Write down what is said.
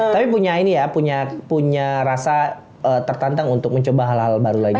tapi punya ini ya punya rasa tertantang untuk mencoba hal hal baru lagi